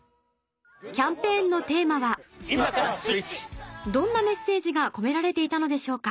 キャンペーンのテーマはどんなメッセージが込められていたのでしょうか